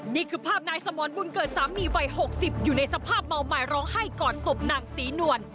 นี่คือภาพนายสมรบุญเกิดสามีวัย๖๐อยู่ในสภาพเมาใหม่ร้องไห้กอดศพนางศรีนวล